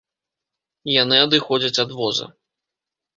Яны адыходзяць ад воза.